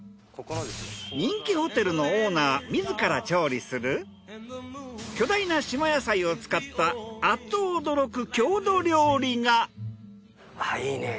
人気ホテルのオーナー自ら調理する巨大な島野菜を使ったあっと驚く郷土料理が。